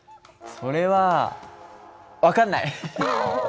それは分かんない！